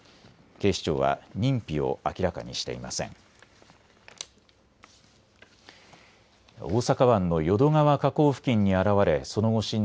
警視庁は認否を明らかにしていません。